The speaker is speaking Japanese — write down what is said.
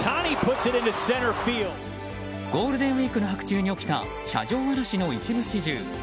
ゴールデンウィークの白昼に起きた車上荒らしの一部始終。